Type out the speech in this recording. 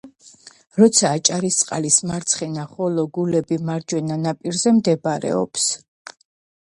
ორცვა აჭარისწყლის მარცხენა, ხოლო გულები მარჯვენა ნაპირზე მდებარეობდა.